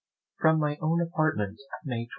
From my own Apartment, May 12.